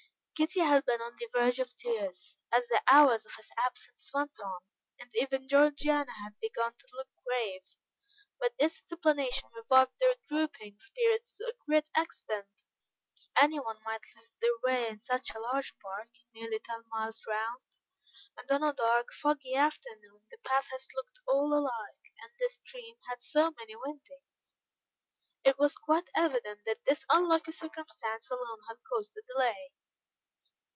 Kitty had been on the verge of tears, as the hours of his absence went on, and even Georgiana had begun to look grave, but this explanation revived their drooping spirits to a great extent. Anyone might lose their way in such a large park nearly ten miles round! And on a dark, foggy afternoon the paths looked all alike, and the stream had so many windings! It was quite evident that this unlucky circumstance alone had caused the delay.